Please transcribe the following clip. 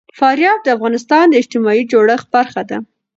فاریاب د افغانستان د اجتماعي جوړښت برخه ده.